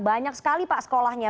banyak sekali pak sekolahnya